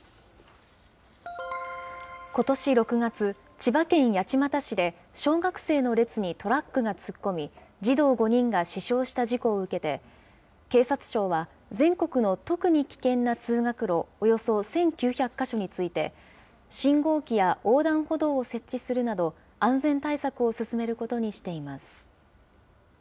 ことし６月、千葉県八街市で小学生の列にトラックが突っ込み、児童５人が死傷した事故を受けて、警察庁は、全国の特に危険な通学路およそ１９００か所について、信号機や横断歩道を設置するなど、安全対策を進めることにしています。